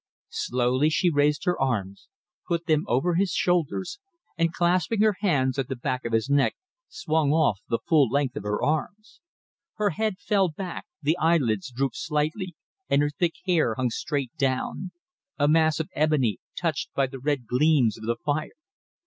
Slowly she raised her arms, put them over his shoulders, and clasping her hands at the back of his neck, swung off the full length of her arms. Her head fell back, the eyelids dropped slightly, and her thick hair hung straight down: a mass of ebony touched by the red gleams of the fire.